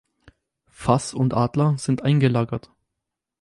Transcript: Fass und Adler sind eingelagert.